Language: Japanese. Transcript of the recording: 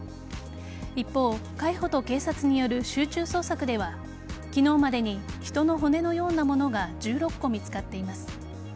一方海保と警察による集中捜索では昨日までに人の骨のようなものが１６個見つかっています。